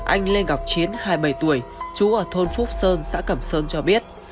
anh lê ngọc chiến hai mươi bảy tuổi chú ở thôn phúc sơn xã cẩm sơn cho biết